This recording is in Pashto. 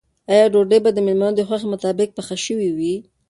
آیا ډوډۍ به د مېلمنو د خوښې مطابق پخه شوې وي؟